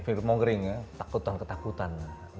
fear mongering ya takutan ketakutan